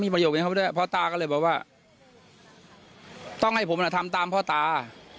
พ่อตาก็เลยบอกว่าต้องให้ผมทำตามพ่อตา